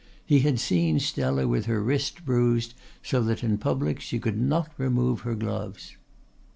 He had seen Stella with her wrist bruised so that in public she could not remove her gloves.